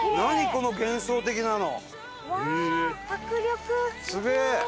この幻想的なの！